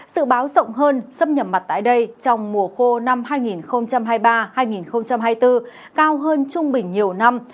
sự báo rộng hơn xâm nhập mặn tại đây trong mùa khô năm hai nghìn hai mươi ba hai nghìn hai mươi bốn cao hơn trung bình nhiều năm